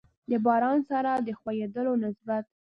د باران سره د خوييدلو نسبت